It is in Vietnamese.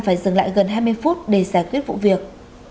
phải dừng lại gần hai mươi phút để giải quyết vụ việc